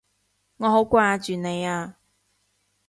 我好掛住你啊！